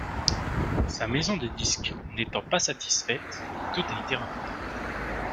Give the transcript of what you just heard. Sa maison de disque n'étant pas satisfaite, tout a été refait.